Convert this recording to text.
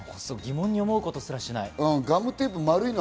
疑問に思うことすらしない。